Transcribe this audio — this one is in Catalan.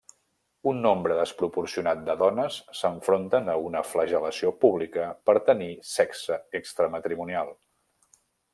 Un nombre desproporcionat de dones s'enfronten a una flagel·lació pública per tenir sexe extramatrimonial.